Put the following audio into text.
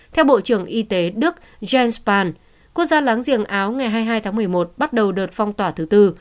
theo bộ trưởng y tế đức jens span quốc gia láng giềng áo ngày hai mươi hai tháng một mươi một bắt đầu đợt phong tỏa thứ tư